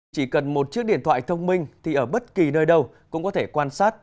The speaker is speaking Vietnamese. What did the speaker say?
chỉ cần một chiếc điện thoại thông minh thì ở bất kỳ nơi đâu cũng có thể quan sát